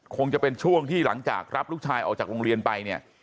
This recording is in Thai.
คงจะเป็นช่วงที่หลังจากรับลูกชายออกจากโรงเรียนไปเนี่ย